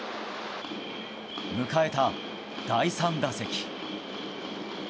迎えた第３打席。